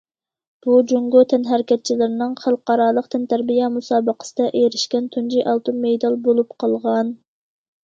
بۇ جۇڭگو تەنھەرىكەتچىلىرىنىڭ خەلقئارالىق تەنتەربىيە مۇسابىقىسىدە ئېرىشكەن تۇنجى ئالتۇن مېدال بولۇپ قالغان.